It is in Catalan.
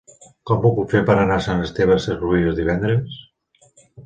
Com ho puc fer per anar a Sant Esteve Sesrovires divendres?